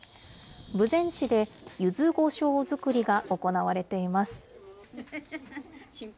豊前市で、ゆずこしょう作りが行われています。